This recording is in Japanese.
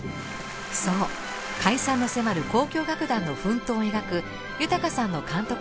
そう解散の迫る交響楽団の奮闘を描く豊さんの監督